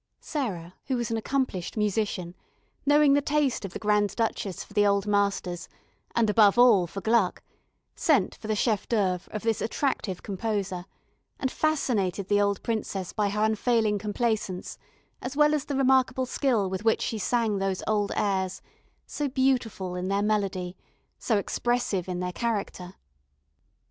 Sarah, who was an accomplished musician, knowing the taste of the Grand Duchess for the old masters, and, above all, for Gluck, sent for the chef d'oeuvre of this attractive composer, and fascinated the old princess by her unfailing complaisance, as well as the remarkable skill with which she sang those old airs, so beautiful in their melody, so expressive in their character.